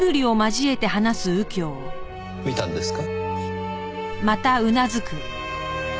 見たんですか？